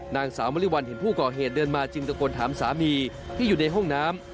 นางสาวมริวัลเห็นผู้ก่อเหตุเดินมาจึงตะโกนถามสามีที่อยู่ในห้องน้ำ